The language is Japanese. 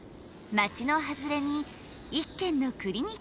街の外れに一軒のクリニックがある。